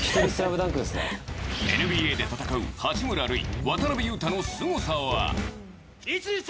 ＮＢＡで戦う八村塁、渡邊雄太のすごさは。